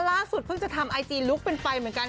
ล่าสุดเพิ่งจะทำไอจีลุคเป็นไฟเหมือนกัน